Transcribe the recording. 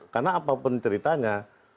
karena apapun ceritanya